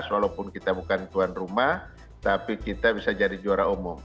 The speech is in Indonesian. dua ribu tujuh belas walaupun kita bukan tuan rumah tapi kita bisa jadi juara umum